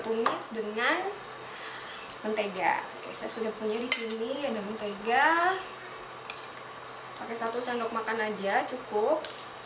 tumis dengan mentega oke saya sudah punya di sini ada mentega pakai satu sendok makan aja cukup